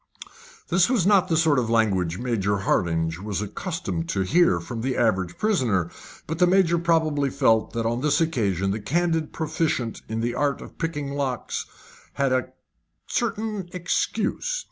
This was not the sort of language Major Hardinge was accustomed to hear from the average prisoner, but the Major probably felt that on this occasion the candid proficient in the art of picking locks had a certain excuse.